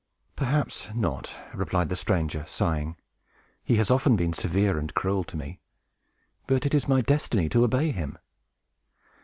"Perhaps not," replied the stranger, sighing. "He has often been severe and cruel to me. But it is my destiny to obey him."